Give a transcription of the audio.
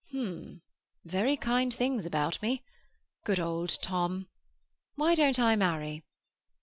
"H'm—very kind things about me. Good old Tom! Why don't I marry?